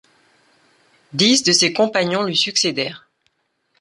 Dix de ses compagnons lui succédèrent.